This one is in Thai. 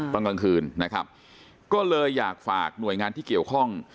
ตอนกลางคืนนะครับก็เลยอยากฝากหน่วยงานที่เกี่ยวข้อง